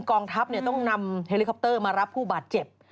กองทัพต้องนำเฮลิคอปเตอร์มารับผู้บาดเจ็บ